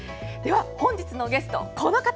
本日のゲスト、この方。